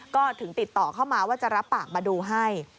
ก็ถึงติดต่อเข้ามาว่าจะรับปากมาดูให้